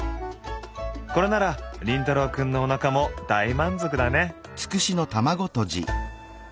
これなら凛太郎くんのおなかも大満足だね。